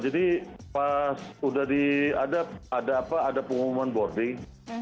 jadi pas sudah diadap ada pengumuman boarding